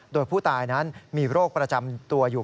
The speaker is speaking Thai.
โดยผู้ตายนั้นมีโรคประจำตัวอยู่